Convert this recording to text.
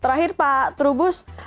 terakhir pak trubus